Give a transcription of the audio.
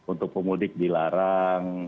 untuk pemudik dilarang